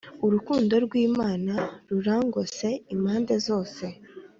urukundo rw’imana ruragngose impande zose